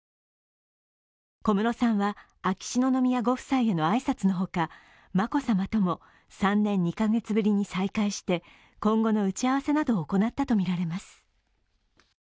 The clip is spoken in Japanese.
小室さんは、秋篠宮ご夫妻への挨拶のほか眞子さまとも３年２カ月ぶりに再会して、今後の打ち合わせなどを行ったとみられます。